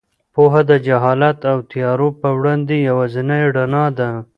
پوهه د جهالت او تیارو په وړاندې یوازینۍ رڼا ده.